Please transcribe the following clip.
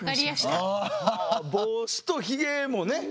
帽子とひげもね。